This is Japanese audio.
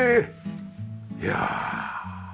いや。